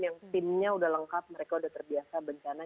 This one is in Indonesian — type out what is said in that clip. yang timnya udah lengkap mereka sudah terbiasa bencana